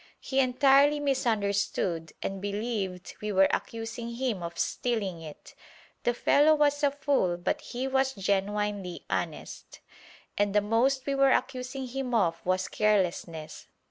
He entirely misunderstood, and believed we were accusing him of stealing it. The fellow was a fool but he was genuinely honest, and the most we were accusing him of was carelessness.